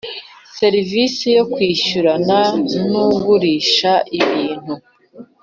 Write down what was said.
Serivisi yo kwishyurana n ugurisha ibintu